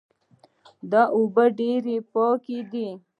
دا اوبه ډېرې پاکې دي